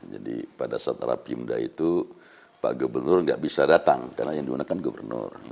jadi pada saat rapi muda itu pak gubernur tidak bisa datang karena yang dimanakan gubernur